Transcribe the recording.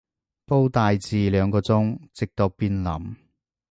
煲大致兩個鐘，直到變腍